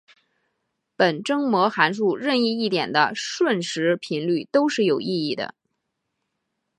本征模函数任意一点的瞬时频率都是有意义的。